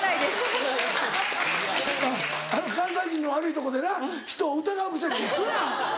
関西人の悪いとこでな人を疑う癖が「ウソやん」。